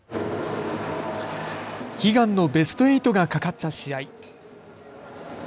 悲願のベスト８が懸かった試合。